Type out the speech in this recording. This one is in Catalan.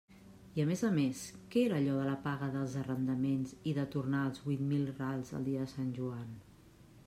I a més a més, què era allò de la paga dels arrendaments i de tornar els huit mil rals el dia de Sant Joan?